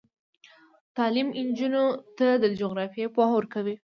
تعلیم نجونو ته د جغرافیې پوهه ورکوي.